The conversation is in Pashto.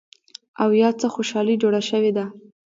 او يا څه خوشحالي جوړه شوې ده